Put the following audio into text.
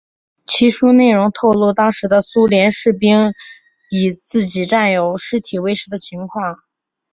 其书内容透露当时的苏联士兵以自己战友尸体为食的情况。